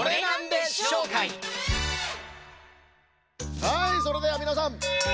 はいそれではみなさん！